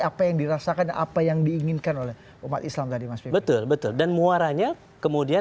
apa yang dirasakan apa yang diinginkan oleh umat islam tadi mas betul betul dan muaranya kemudian